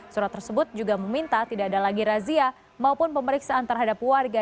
surat tersebut juga meminta tidak ada lagi razia maupun pemeriksaan terhadap warga